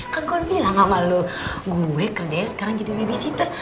kan kok lo bilang sama lo gue kerjanya sekarang jadi babysitter